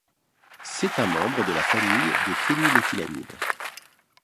C'est un membre de la famille des phényléthylamines.